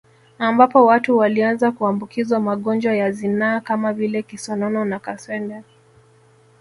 Ambapo watu walianza kuambukizwa magonjwa ya zinaa kama vile kisonono na kaswende